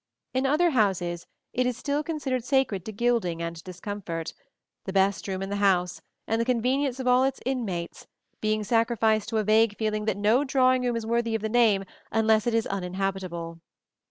In other houses it is still considered sacred to gilding and discomfort, the best room in the house, and the convenience of all its inmates, being sacrificed to a vague feeling that no drawing room is worthy of the name unless it is uninhabitable.